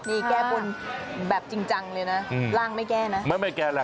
นี่แก้บนแบบจริงจังเลยนะล่างไม่แก้นะ